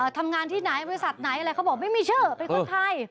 ทำงานที่ไหนบริษัทไหนอะไรเขาบอกไม่มีชื่อเป็นคนไทย